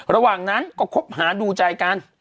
ระหว่างนั้นก็คบหาดูใจกัน